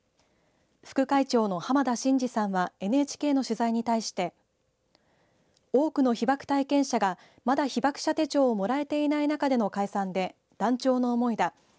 副会長の濱田眞治さんはＮＨＫの取材に対して多くの被爆体験者がまだ被爆者手帳をもらえていない中での解散で断腸の思いだ。